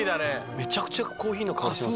めちゃくちゃコーヒーの香りします。